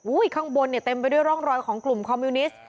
ข้างบนเนี่ยเต็มไปด้วยร่องรอยของกลุ่มคอมมิวนิสต์